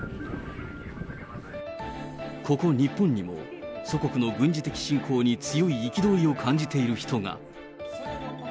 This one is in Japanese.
ここ日本にも、祖国の軍事的侵攻に強い憤りを感じている人が。